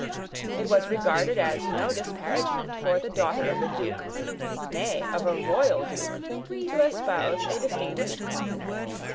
It was regarded as no disparagement for the daughter of a Duke, nay of a royal Duke, to espouse a distinguished commoner.